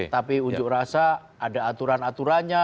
tapi unjuk rasa ada aturan aturannya